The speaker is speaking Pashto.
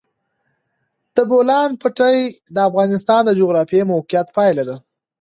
د بولان پټي د افغانستان د جغرافیایي موقیعت پایله ده.